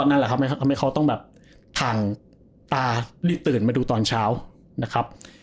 นั่นแหละครับทำให้เขาต้องแบบถังตารีบตื่นมาดูตอนเช้านะครับ